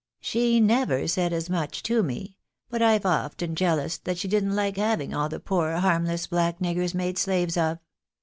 She never said as much to me, but I've often jealoused that she didn't like having all the poor harmless, black niggers made slaves of.